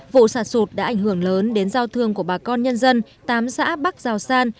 vụ sạt sụt đã ảnh hưởng lớn đến giao thương của bà con nhân dân tám xã bắc giảo san